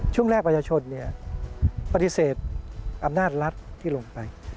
ช่วงแรกประชาชนปฏิเสธอำนาจรัฐที่ลงไป